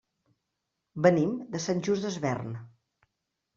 Venim de Sant Just Desvern.